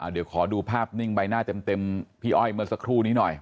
เดี๋ยวขอดูภาพนิ่งใบหน้าเต็มพี่อ้อยเมื่อสักครู่นี้หน่อย